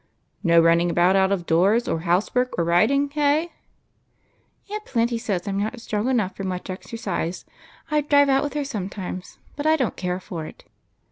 No running about out of doors, or house work, or riding, hey ?"" Aunt Plenty says I 'm not strong enough for much exercise. I drive out with her sometimes, but I don't care for it."